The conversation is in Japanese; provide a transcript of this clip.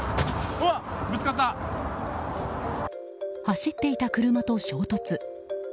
走っていた車と衝突。